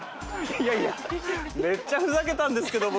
いやいやめっちゃふざけたんですけど僕。